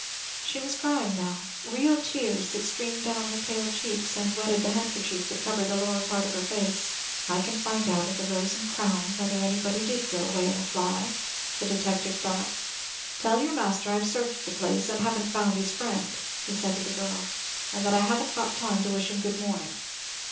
She was crying now, real tears, that streamed down her pale cheeks, and wetted the handkerchief that covered the lower part of her face. "I can find out at the Rose and Crown whether anybody did go away in a fly," the detective thought. "Tell your master I've searched the place, and haven't found his friend," he said to the girl; "and that I haven't got time to wish him good morning."